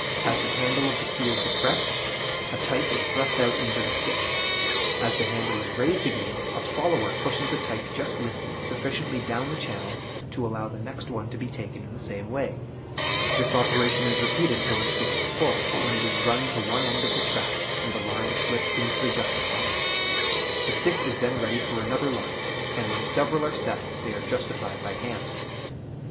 As the handle of the key is depressed, a type is thrust out into the stick. As the handle is raised again, a "follower" pushes the type just lifted sufficiently down the channel to allow the next one to be taken in the same way. This operation is repeated till the stick is full, when it is run to one end of the track, and the line slipped into the justifier. The stick is then ready for another line; and, when several are set, they are justified by hand.